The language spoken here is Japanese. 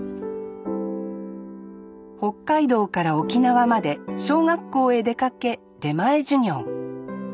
北海道から沖縄まで小学校へ出かけ出前授業。